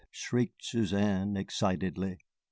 shrieked Suzanne, excitedly.